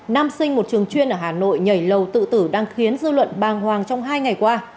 nam sinh một trường chuyên ở hà nội nhảy lầu tự tử đang khiến dư luận bàng hoàng trong hai ngày qua